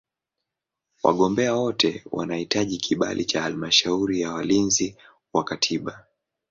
Wagombea wote wanahitaji kibali cha Halmashauri ya Walinzi wa Katiba.